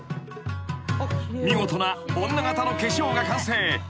［見事な女形の化粧が完成］